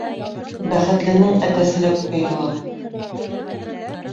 Бәхетленең әтәсе лә күкәй һала.